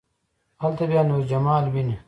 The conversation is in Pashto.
هلته بیا نور جمال ويني.